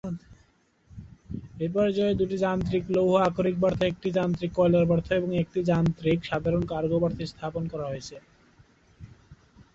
এই পর্যায়ে দুটি যান্ত্রিক লৌহ আকরিক বার্থ, একটি যান্ত্রিক কয়লার বার্থ এবং একটি যান্ত্রিক সাধারণ কার্গো বার্থ স্থাপন করা হয়েছে।